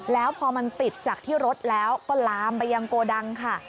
แล้วพอมันติดจากที่รถแล้วก็ลามไปยังโกดังค่ะ